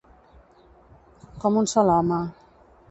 Com un sol home.